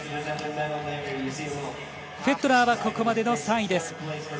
フェットナーはここまでの３位です。